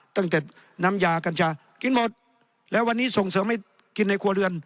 ตั้งแต่น้ำยากัญชากินหมดแล้ววันนี้ส่งเสริมให้กินในครัวเรือน